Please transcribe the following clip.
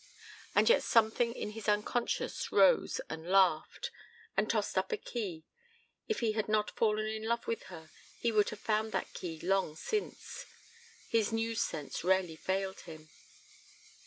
And yet something in his unconscious rose and laughed ... and tossed up a key ... if he had not fallen in love with her he would have found that key long since. His news sense rarely failed him.